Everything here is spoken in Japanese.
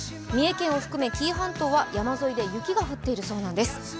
三重県を含め紀伊半島は山沿いで雪が降っているそうなんです。